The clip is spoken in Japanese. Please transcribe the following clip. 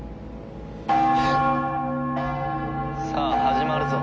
さあ始まるぞ。